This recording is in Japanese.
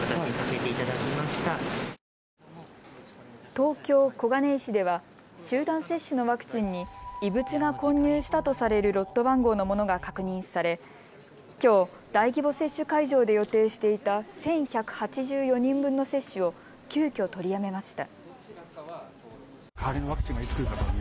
東京小金井市では集団接種のワクチンに異物が混入したとされるロット番号のものが確認されきょう、大規模接種会場で予定していた１１８４人分の接種を急きょ取りやめました。